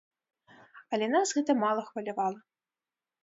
Але нас гэта мала хвалявала.